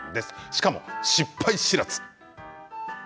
しかも失敗知らず。